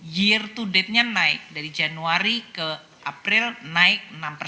year to date nya naik dari januari ke april naik enam persen